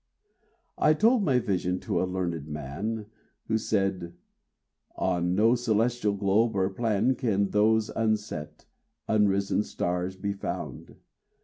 I told my vision to a learned man, Who said: "On no celestial globe or plan Can those unset, unrisen stars be found.